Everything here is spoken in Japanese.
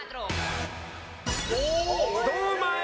堂前。